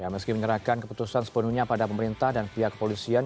meski menyerahkan keputusan sepenuhnya pada pemerintah dan pihak kepolisian